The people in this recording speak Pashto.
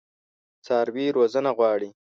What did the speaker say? څاروي روزنه غواړي.